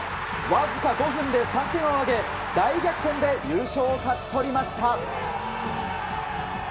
わずか５分で３点を挙げ大逆転で、優勝を勝ち取りました。